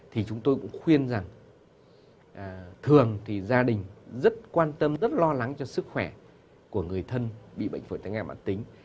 thì chúng tôi cũng khuyên rằng thường thì gia đình rất quan tâm rất lo lắng cho sức khỏe của người thân bị bệnh phổi tắc nghén mạng tính